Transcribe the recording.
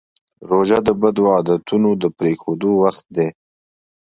روژه د بدو عادتونو د پرېښودو وخت دی.